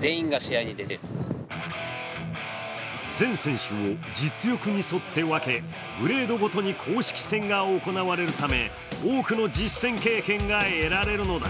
全選手を実力に沿って分けグレードごとに公式戦が行われるため多くの実戦経験が得られるのだ。